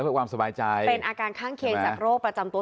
เป็นอาการข้างเคียงจากโรคประจำตัว